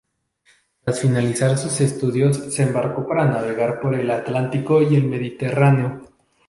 Tras finalizar sus estudios se embarcó para navegar por el Atlántico y el Mediterráneo.